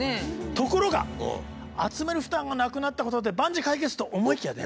ところが集める負担がなくなったことで万事解決！と思いきやね。